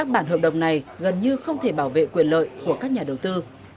bản hợp đồng này gần như không thể bảo vệ quyền lợi của các nhà đầu tư